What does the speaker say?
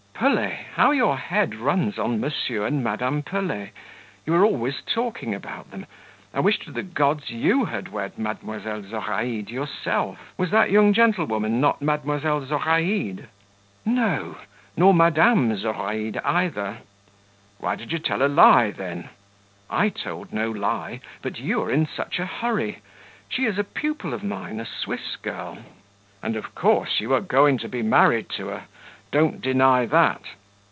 "Pelet? How your head runs on Mons. and Madame Pelet! You are always talking about them. I wish to the gods you had wed Mdlle. Zoraide yourself!" "Was that young gentlewoman not Mdlle. Zoraide?" "No; nor Madame Zoraide either." "Why did you tell a lie, then?" "I told no lie; but you are is such a hurry. She is a pupil of mine a Swiss girl." "And of course you are going to be married to her? Don't deny that."